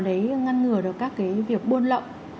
để ngăn ngừa được các việc buôn lộng